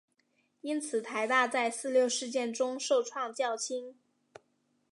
因此台大在四六事件中受创较轻。